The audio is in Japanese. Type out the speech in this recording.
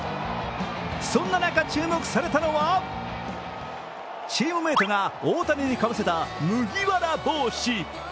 そんな中、注目されたのはチームメートが大谷にかぶせた麦わら帽子。